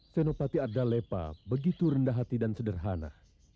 senopati adalah lepa begitu rendah hati dan sederhana